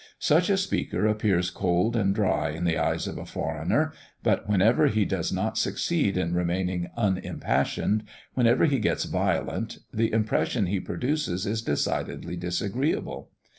Such a speaker appears cold and dry in the eyes of a foreigner; but whenever he does not succeed in remaining unimpassioned, whenever he gets violent, the impression he produces is decidedly disagreeable.